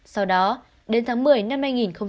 sau đó đến tháng một mươi năm hai nghìn hai mươi